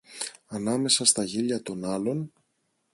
Ανάμεσα στα γέλια των άλλων